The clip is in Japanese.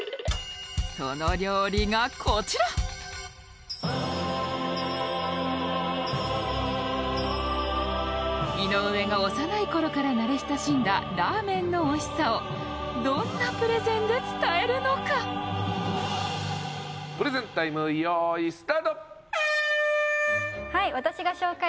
その料理がこちら井上が幼いころから慣れ親しんだラーメンのおいしさをどんなプレゼンで伝えるのかプレゼンタイム用意スタート。